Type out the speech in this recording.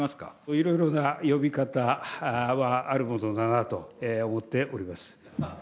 いろいろな呼び方はあるものだなと思っております。